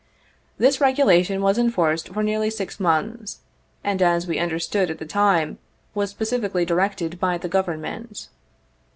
This regulation was en forced for nearly six months, and as we understood at the time, was specifically directed by the Government.